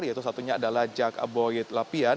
yaitu satunya adalah jack aboid lapian